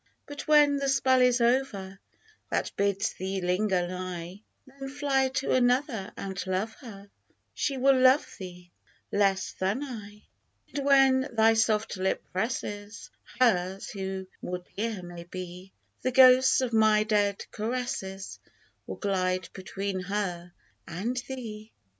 But when the spell is over That bids thee linger nigh, Then fly to another and love her — She will love thee less than I. And when thy soft lip presses Hers, who more dear may be, The ghosts of my dead caresses Will glide between her and thee